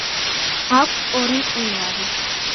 აქვს ორი მყინვარი.